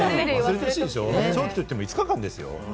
長期といっても、５日間ですよ。